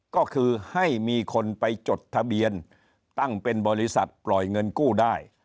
ก็คือให้มีคนไปจดทะเบียนตั้งเป็นบริษัทปล่อยเงินกู้ได้